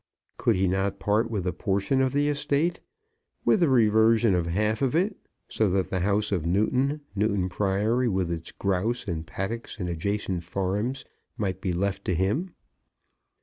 Could he not part with a portion of the estate, with the reversion of half of it, so that the house of Newton, Newton Priory, with its grouse and paddocks and adjacent farms, might be left to him?